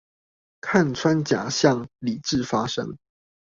看穿假象、理智發聲